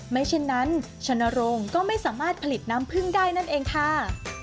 ไม่เช่นนั้นชนโรงก็ไม่สามารถผลิตน้ำพึ่งได้นั่นเองค่ะ